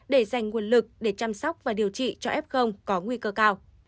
để dành nguồn lực để chăm sóc và điều trị cho f có nguy cơ cao